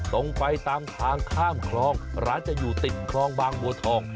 ตรงไปตามทางข้ามคลองร้านจะอยู่ติดคลองบางบัวทอง